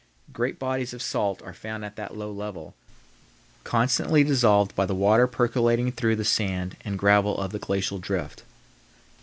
Great bodies of salt are found at that low level, constantly dissolved by the water percolating through the sand and gravel of the glacial drift.